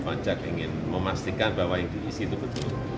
pajak ingin memastikan bahwa yang diisi itu betul